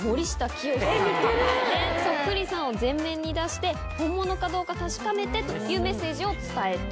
そっくりさんを前面に出して本物かどうか確かめてというメッセージを伝えている。